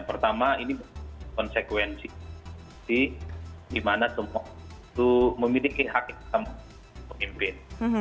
pertama ini konsekuensi di mana semua memiliki hak kita memimpin